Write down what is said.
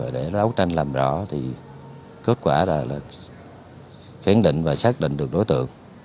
để đấu tranh làm rõ thì kết quả là khẳng định và xác định được đối tượng